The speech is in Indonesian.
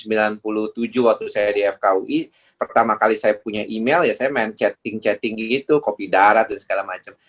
tahun sembilan puluh tujuh waktu saya di fkui pertama kali saya punya email ya saya main chatting chatting gitu kopi darat dan segala macam